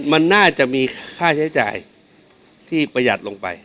มันน่าจะมีค่าใช้จ่ายที่ประหยัดลงไป